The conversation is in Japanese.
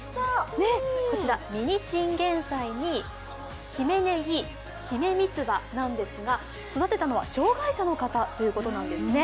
こちら、ミニチンゲン菜に姫ねぎ、姫みつばなんですが、育てたのは、障害者の方ということなんですね。